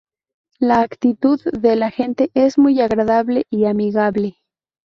La actitud de la gente es muy agradable y amigable.